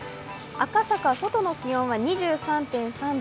赤坂、外の気温は２３．３度。